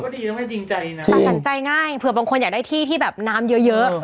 ก็ดีแล้วให้จริงใจนะจริงสังสัยง่ายเผื่อบางคนอยากได้ที่ที่แบบน้ำเยอะเยอะ